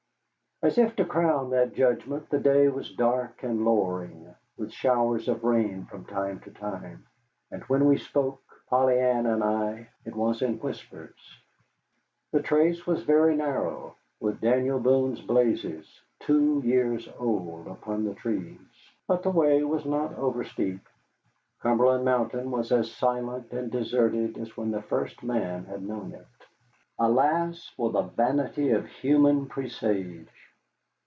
As if to crown that judgment, the day was dark and lowering, with showers of rain from time to time. And when we spoke, Polly Ann and I, it was in whispers. The trace was very narrow, with Daniel Boone's blazes, two years old, upon the trees; but the way was not over steep. Cumberland Mountain was as silent and deserted as when the first man had known it. Alas, for the vanity of human presage!